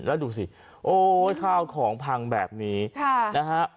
แล้วดูสิโอ้ยข้าวของพังแบบนี้นะฮะ